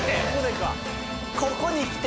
ここに来て？